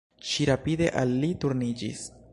Ŝi rapide al li turniĝis.